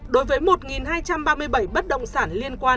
đối với một hai trăm ba mươi bảy bất động sản liên quan